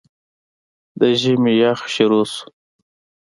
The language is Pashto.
د ژمي يخ شورو شو